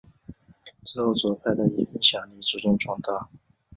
之后左派的影响力逐渐壮大。